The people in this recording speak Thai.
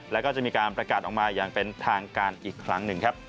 แล้วก็จะมีการประกาศออกมาอย่างเป็นทางการอีกครั้งหนึ่งครับ